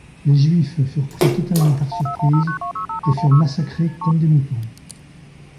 Les Juifs furent pris totalement par surprise et furent massacrés comme des moutons.